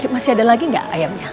masih ada lagi nggak ayamnya